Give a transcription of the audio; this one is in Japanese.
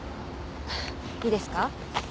いいですか？